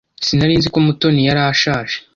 Sinari nzi ko Mutoni yari ashaje.